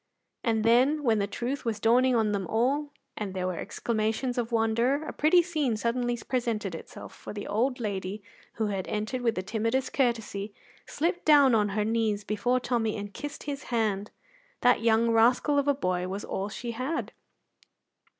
And then, when the truth was dawning on them all, and there were exclamations of wonder, a pretty scene suddenly presented itself, for the old lady, who had entered with the timidest courtesy, slipped down on her knees before Tommy and kissed his hand. That young rascal of a boy was all she had.